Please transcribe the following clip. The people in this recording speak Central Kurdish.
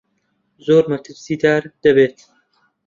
زۆر مەترسیدار دەبێت.